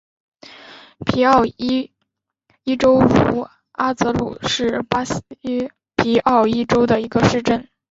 皮奥伊州茹阿泽鲁是巴西皮奥伊州的一个市镇。